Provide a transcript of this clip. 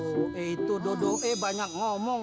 dodo eh tuh dodo eh banyak ngomong